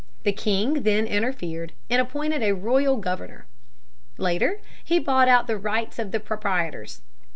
The king then interfered, and appointed a royal governor. Later he bought out the rights of the proprietors.